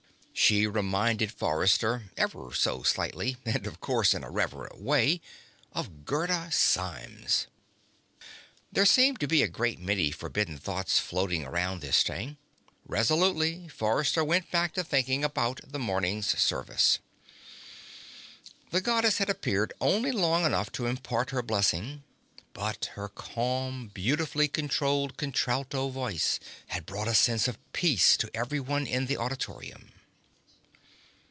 She reminded Forrester, ever so slightly (and, of course, in a reverent way), of Gerda Symes. There seemed to be a great many forbidden thoughts floating around this day. Resolutely, Forrester went back to thinking about the morning's service. The Goddess had appeared only long enough to impart her blessing, but her calm, beautifully controlled contralto voice had brought a sense of peace to everyone in the auditorium.